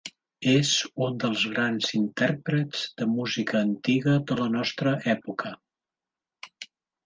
És un dels grans intèrprets de música antiga de la nostra època.